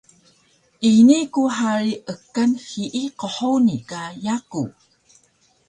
Ini ku hari ekan hiyi qhuni ka yaku